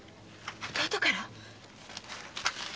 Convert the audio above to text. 弟から！？